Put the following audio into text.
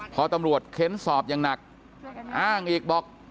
พอตำรวจเค้นสอบอย่างหนักอ้างอีกบอก